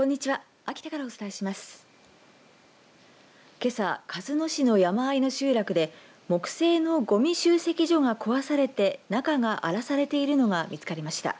けさ、鹿角市の山あいの集落で木製のごみ集積所が壊されて中が荒らされているのが見つかりました。